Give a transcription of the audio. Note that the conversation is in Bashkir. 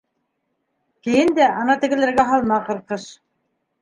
Кейен дә ана тегеләргә һалма ҡырҡыш.